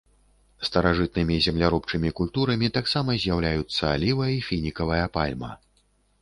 Старажытнымі земляробчымі культурамі таксама з'яўляюцца аліва і фінікавая пальма.